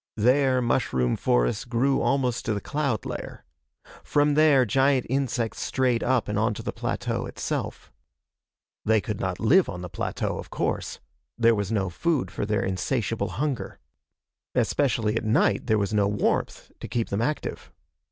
There, mushroom forests grew almost to the cloud layer. From there, giant insects strayed up and onto the plateau itself. They could not live on the plateau, of course. There was no food for their insatiable hunger. Especially at night, there was no warmth to keep them active.